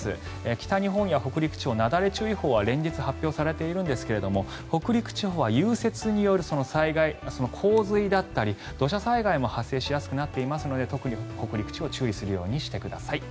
北日本や北陸地方なだれ注意報は連日、発表されているんですが北陸地方は融雪による災害洪水だったり、土砂災害も発生しやすくなっていますので特に北陸地方注意するようにしてください。